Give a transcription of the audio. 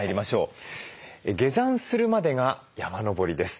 下山するまでが山登りです。